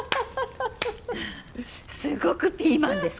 すごくピーマンです